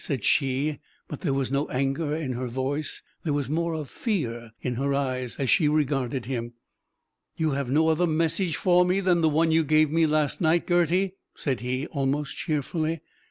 said she; but there was no anger in her voice: there was more of fear in her eyes as she regarded him. "You have no other message for me than the one you gave me last night, Gerty?" said he, almost cheerfully.